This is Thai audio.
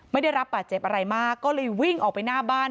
ไม่ได้รับบาดเจ็บอะไรมากก็เลยวิ่งออกไปหน้าบ้าน